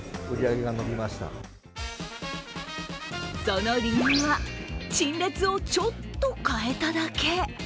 その理由は陳列をちょっと変えただけ。